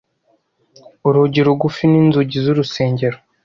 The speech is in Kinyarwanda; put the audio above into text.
urugi rugufi n'inzugi z'urusengero